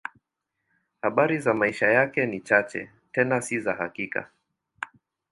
Habari za maisha yake ni chache, tena si za hakika.